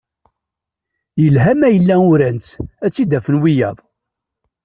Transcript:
Yelha ma yella uran-tt ad tt-id-afen wiyaḍ.